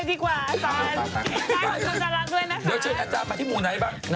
เดี๋ยวเชิญอาจารย์ไปที่หมู่ไหนบ้าง